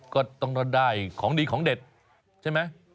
ก็ต้องได้ของดีของเด็ดใช่ไหม